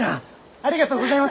ありがとうございます！